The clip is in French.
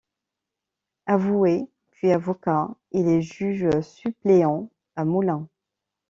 Avoué puis avocat, il est juge suppléant à Moulins.